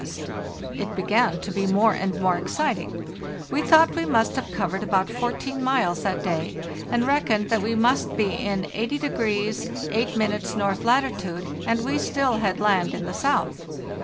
t It began to be more and more exciting. We thought we must have covered about 14 miles that day, and reckoned that we must be in 80° 8' north lati tude, and we still had land in the south.